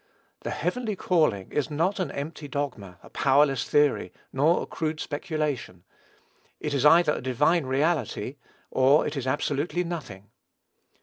The heavenly calling is not an empty dogma, a powerless theory, nor a crude speculation. It is either a divine reality, or it is absolutely nothing.